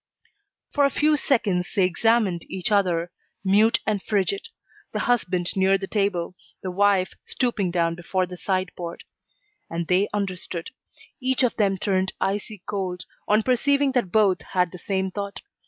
For a few seconds they examined each other, mute and frigid, the husband near the table, the wife stooping down before the sideboard. And they understood. Each of them turned icy cold, on perceiving that both had the same thought.